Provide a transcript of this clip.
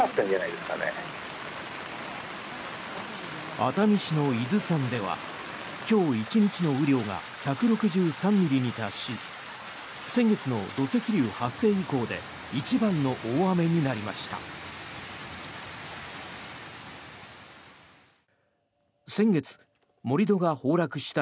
熱海市の伊豆山では今日１日の雨量が１６３ミリに達し先月の土石流発生以降で一番の大雨になりました。